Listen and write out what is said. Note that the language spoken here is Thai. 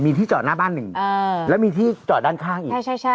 มีที่จอดหน้าบ้านหนึ่งอ่าแล้วมีที่จอดด้านข้างอีกใช่ใช่